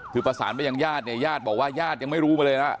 คือประสานไปยันยาศ์ยาดบอกว่ายาดยังไม่รู้มาเลย